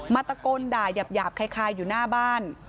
ตะโกนด่ายาบคล้ายอยู่หน้าบ้าน